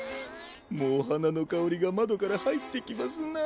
もうはなのかおりがまどからはいってきますな。